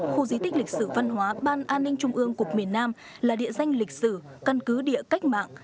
khu di tích lịch sử văn hóa ban an ninh trung ương cục miền nam là địa danh lịch sử căn cứ địa cách mạng